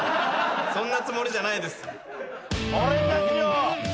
そんなつもりじゃないです。